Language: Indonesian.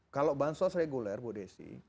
kalau bansos reguler bu desi